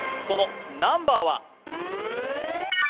そのナンバーは？